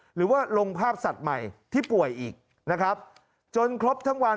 หรือว่าลงภาพสัตว์ใหม่ที่ป่วยอีกนะครับจนครบทั้งวัน